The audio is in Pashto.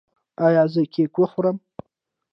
ایا زه کیک وخورم؟